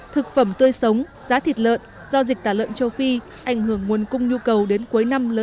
thực phẩm tươi sống giá thịt lợn do dịch tả lợn châu phi ảnh hưởng nguồn cung nhu cầu đến cuối năm lớn